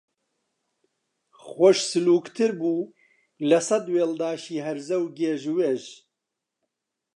خۆش سلووکتر بوو لە سەد وێڵداشی هەرزە و گێژ و وێژ